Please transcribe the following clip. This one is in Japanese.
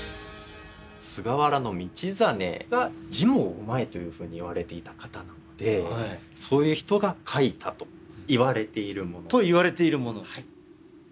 菅原道真が「字もうまい」というふうに言われていた方なのでそういう人が書いたといわれているもの。といわれているもの。